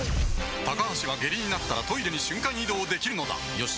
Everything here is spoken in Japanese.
高橋は下痢になったらトイレに瞬間移動できるのだよし。